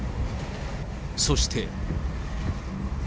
そして。